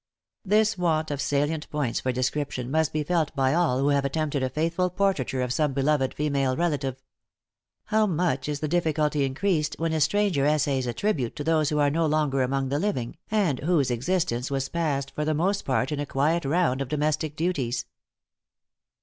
This want of salient points for description must be felt by all who have attempted a faithful portraiture of some beloved female relative. How much is the difficulty increased when a stranger essays a tribute to those who are no longer among the living, and whose existence was passed for the most part in a quiet round of domestic duties!